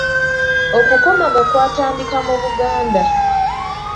Okukomaga kwatandika mu Buganda.